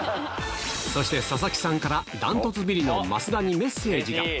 そして、佐々木さんから断トツビリの増田にメッセージが。